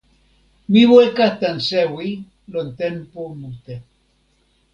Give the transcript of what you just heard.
mi weka tan sewi lon tenpo mute.